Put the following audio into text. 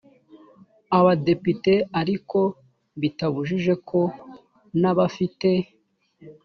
abadepite ariko bitabujije ko n abafite